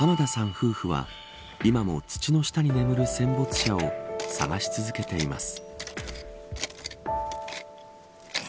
夫婦は今も土の下に眠る戦没者を捜し続けています。